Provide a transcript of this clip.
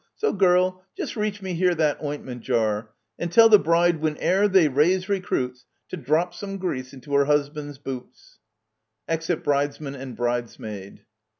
So, girl, just reach me here that ointment jar :— And tell the bride, whene'er they raise recruits, To drop some grease into her husband's boots. [Exit Bridesman and Bridesmaid.